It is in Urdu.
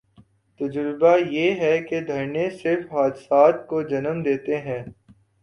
تجربہ یہ ہے کہ دھرنے صرف حادثات کو جنم دیتے ہیں۔